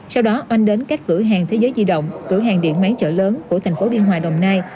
sau đó oanh đến các cửa hàng thế giới di động cửa hàng điện máy chợ lớn của thành phố biên hòa đồng nai